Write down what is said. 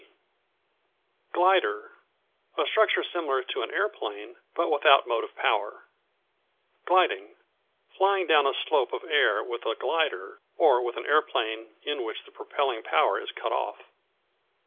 G Glider A structure similar to an aeroplane, but without motive power. Gliding Flying down a slope of air with a glider, or with an aeroplane in which the propelling power is cut off.